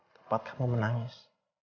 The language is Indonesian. buat kamu menangis